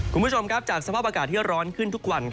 คุณผู้ชมครับจากสภาพอากาศที่ร้อนขึ้นทุกวัน